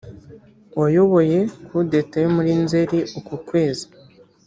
wayoboye kudeta yo muri Nzeri uku kwezi